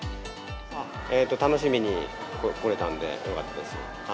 楽しみに来れたんでよかった